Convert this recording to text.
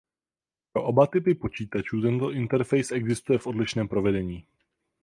Pro oba typy počítačů tento interface existuje v odlišném provedení.